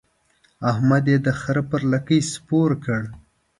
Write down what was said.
احمد يې د خره پر لکۍ سپور کړ.